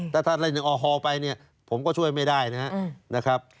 แต่ถ้าอะไรหนึ่งออฮอล์ไปผมก็ช่วยไม่ได้นะครับ